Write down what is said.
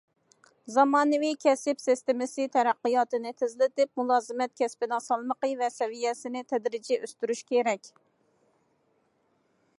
زامانىۋى كەسىپ سىستېمىسى تەرەققىياتىنى تېزلىتىپ، مۇلازىمەت كەسپىنىڭ سالمىقى ۋە سەۋىيەسىنى تەدرىجىي ئۆستۈرۈش كېرەك.